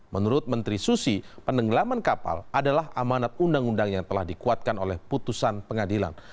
menurut menteri susi penenggelaman kapal adalah amanat undang undang yang telah dikuatkan oleh putusan pengadilan